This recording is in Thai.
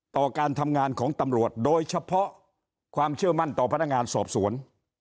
ต่อการทำงานของตำรวจโดยเฉพาะความเชื่อมั่นต่อพนักงานสอบสวน